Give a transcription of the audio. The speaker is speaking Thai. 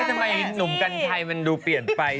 ทำไมหนุ่มกัญชัยมันดูเปลี่ยนไป